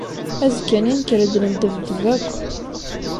Azekka-nni nekker-d neddebdeb akk.